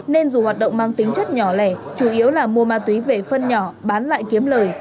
nên dù hoạt động mang tính chất nhỏ lẻ chủ yếu là mua ma túy về phân nhỏ bán lại kiếm lời